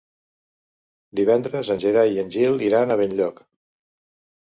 Divendres en Gerai i en Gil iran a Benlloc.